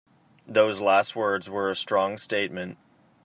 Those last words were a strong statement.